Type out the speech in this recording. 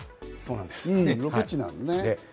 ロケ地なのね。